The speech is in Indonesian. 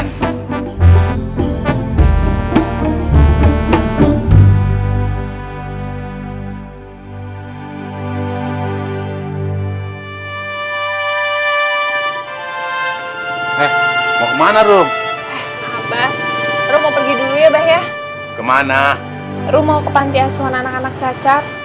rum mau ke pantai asuhan anak anak cacat